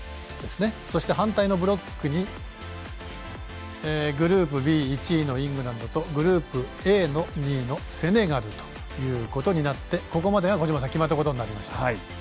そして、反対のブロックにグループＢ１位のイングランドとグループＡの２位のセネガルとここまでは小島さん決まったことになりました。